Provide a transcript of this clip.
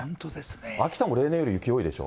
秋田も例年より雪多いでしょ。